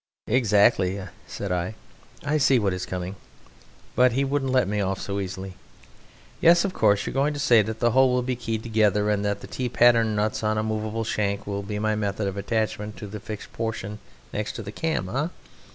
"Exactly," said I, "I see what is coming." But he wouldn't let me off so easily. "Yes, of course you are going to say that the whole will be keyed together, and that the T pattern nuts on a movable shank will be my method of attachment to the fixed portion next to the cam? Eh?